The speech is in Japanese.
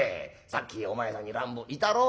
さっきお前さんに乱暴いたろ？